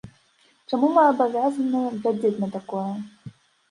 Чаму мы абавязаныя глядзець на такое?